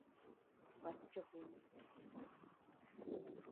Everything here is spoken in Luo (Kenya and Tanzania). Pach jopiny..